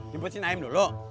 di putriin ayam dulu